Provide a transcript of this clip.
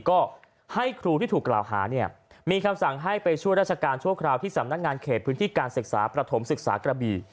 ก็ให้ครูที่ถูกกล่าวหาเนี่ยมีคำสั่งให้ไปช่วยราชการชั่วคราวที่สำนักงานเขตพื้นที่การศึกษาประถมศึกษากระบี่